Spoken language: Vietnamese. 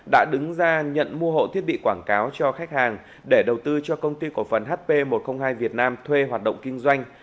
đã đứng ra nhận mua hộ thiết bị quảng cáo cho khách hàng để đầu tư cho công ty cổ phần hp một trăm linh hai việt nam thuê hoạt động kinh doanh